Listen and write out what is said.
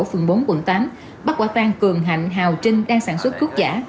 phường bốn quận tám bắt quả tang cường hạnh hào trinh đang sản xuất thuốc giả